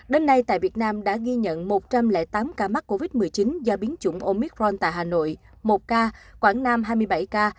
đến nay tại việt nam đã ghi nhận một trăm linh tám ca mắc covid một mươi chín do biến chủng omicron tại hà nội một ca quảng nam hai mươi bảy ca